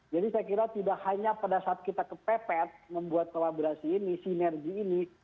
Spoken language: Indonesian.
jadi saya kira tidak hanya pada saat kita kepepet membuat kolaborasi ini sinergi ini